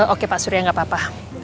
oke pak surya gak apa apa